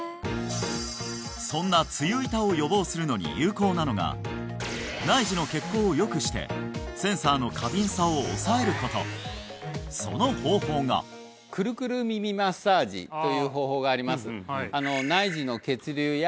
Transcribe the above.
そんな梅雨痛を予防するのに有効なのが内耳の血行をよくしてセンサーの過敏さを抑えることその方法がという方法があります